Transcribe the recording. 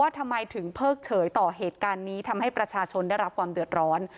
ทำไมถึงเพิกเฉยต่อเหตุการณ์นี้ทำให้ประชาชนได้รับความเดือดร้อน